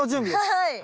はい。